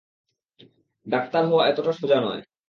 Doctor হওয়া এতোটা সোজা নয়!